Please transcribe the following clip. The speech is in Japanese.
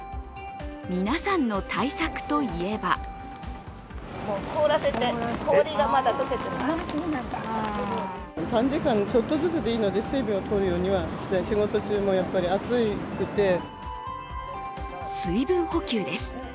皆さんの対策といえば水分補給です。